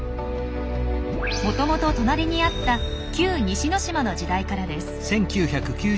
もともと隣にあった旧・西之島の時代からです。